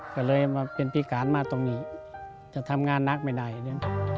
ก็เลยมาเป็นพิการมาตรงนี้จะทำงานหนักไม่ได้เนี่ย